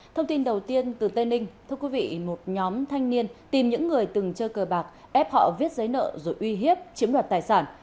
thông tin đầu tiên từ tây ninh thưa quý vị một nhóm thanh niên tìm những người từng chơi cờ bạc ép họ viết giấy nợ rồi uy hiếp chiếm đoạt tài sản